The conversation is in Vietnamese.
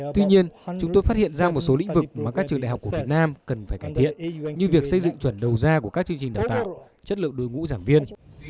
tuy nhiên chúng tôi phát hiện ra một số lĩnh vực mà các trường đại học của việt nam cần phải cải thiện như việc xây dựng chuẩn đầu ra của các chương trình đào tạo chất lượng đối ngũ giảng viên